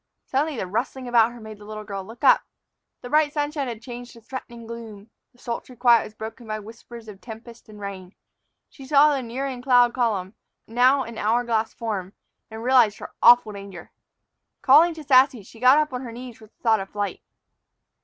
Suddenly the rustling about her made the little girl look up. The bright sunshine had changed to threatening gloom, the sultry quiet was broken by whispers of tempest and rain. She saw the nearing cloud column, now an hour glass in form, and realized her awful danger. Calling to Sassy, she got up on her knees with the thought of flight.